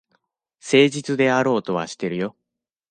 誠実であろうとはしてるよ。